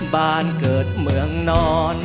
บ้านเกิดเมืองนอน